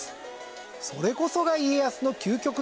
それこそが家康の究極の選択。